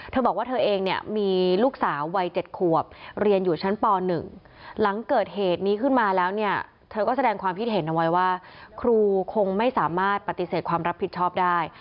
เธอบอกว่าเธอเองเนี่ยมีลูกสาววัย๗ขวบเรียนอยู่ชั้นป๑หลังเกิดเหตุนี้ขึ้นมาแล้วเนี่ยเธอก็แสดงความคิดเห็นเอาไว้ว่าครูคงไม่สามารถปฏิเสธความรับผิดชอบได้